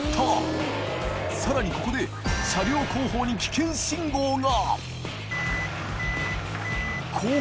ここで車両後方に危険信号が！